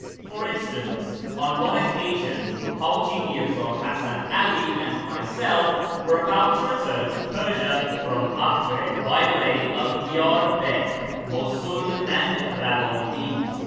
Por instance, on one occasion Haji Mirza Hasan 'All and myself were about to return to Persia from Acre by way of Diyar Bekr, Mosul, and Ptawandi'z.